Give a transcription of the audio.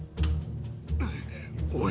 おい。